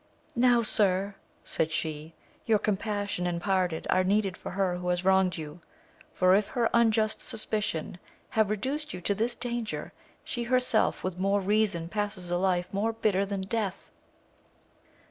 Now, sir, said she, your compassion and pardon are needed for her who has wronged you, for, if her unjust suspicion have re duced you to this danger, she herself with more reason passes a life more bitter than death.